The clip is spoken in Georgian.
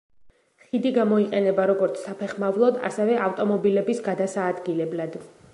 ხიდი გამოიყენება როგორც საფეხმავლოდ, ასევე ავტომობილების გადასაადგილებლად.